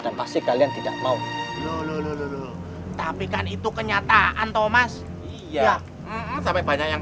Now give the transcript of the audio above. dan pasti kalian tidak mau tapi kan itu kenyataan thomas ya sampai banyak yang